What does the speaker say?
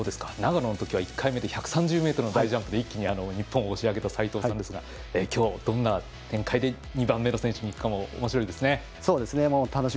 長野のときは１回目で１３０ｍの大ジャンプで一気に日本を押し上げた齋藤さんですがきょうは、どんな展開で２番目に選手にいくかもおもしろいですね。